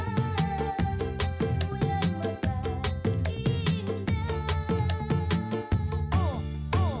mulai bakal indah